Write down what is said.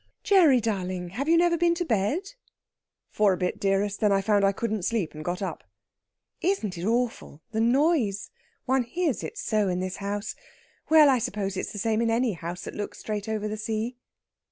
"Gerry darling, have you never been to bed?" "For a bit, dearest. Then I found I couldn't sleep, and got up." "Isn't it awful, the noise? One hears it so in this house.... Well, I suppose it's the same in any house that looks straight over the sea."